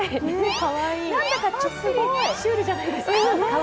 何だかちょっぴりシュールじゃないですか？